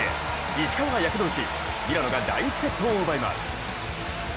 石川が躍動し、ミラノが第１セットを奪います。